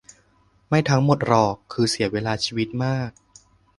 ไม่ทั้งหมดหรอก คือเสียเวลาชีวิตมาก